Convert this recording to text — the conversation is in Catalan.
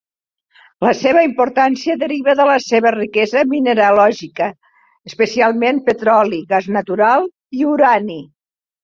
La seva importància deriva de la seva riquesa mineralògica, especialment petroli, gas natural i urani.